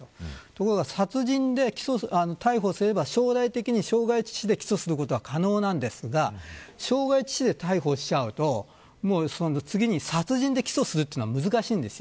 ところが、殺人で逮捕すれば将来的に傷害致死で起訴することが可能なんですが傷害致死で逮捕しちゃうと次に殺人で起訴するというのが難しいんです。